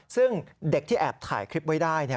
ซึ่งเด็กที่แอบถ่ายคลิปไว้ได้เนี่ย